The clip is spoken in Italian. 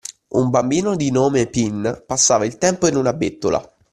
Un bambino di nome Pin passava il tempo in una bettola